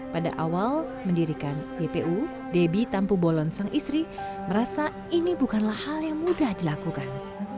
pada awal mendirikan ypu debbie tampu bolon sang istri merasa ini bukanlah hal yang mudah dilakukan